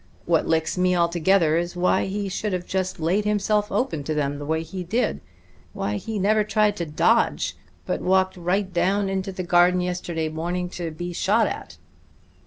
What licks me altogether is why he should have just laid himself open to them the way he did why he never tried to dodge, but walked right down into the garden yesterday morning to be shot at."